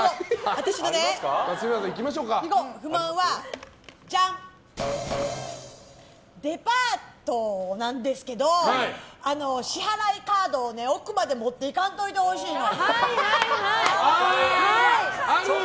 私の不満はデパートなんですけど支払いカードを奥まで持っていかんといてほしいの。